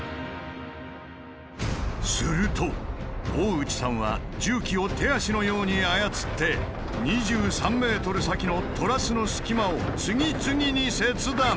すると大内さんは重機を手足のように操って２３ｍ先のトラスの隙間を次々に切断！